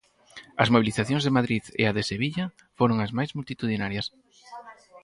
As mobilizacións de Madrid e a de Sevilla foron as máis multitudinarias.